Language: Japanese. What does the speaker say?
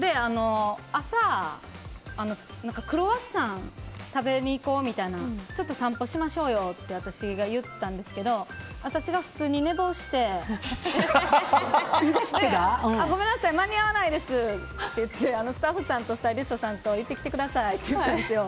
朝、クロワッサン食べにいこうみたいなちょっと散歩しましょうよって私が言ったんですけど私が普通に寝坊してごめんなさい間に合わないですって言ってスタッフさんとスタイリストさんと行ってきてくださいって言ったんですよ。